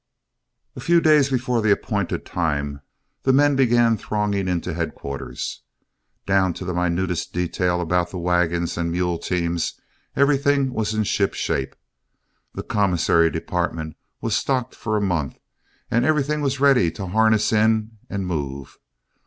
A few days before the appointed time, the men began thronging into headquarters. Down to the minutest detail about the wagons and mule teams, everything was shipshape. The commissary department was stocked for a month, and everything was ready to harness in and move.